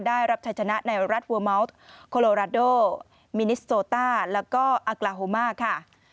ได้รับชัยชนะในรัฐเวอร์เมาส์โคโลราโดมินิสโซต้าแล้วก็อากลาโฮมาค่ะ